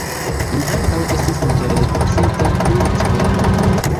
Li ankaŭ estis interesita pri Esperanto.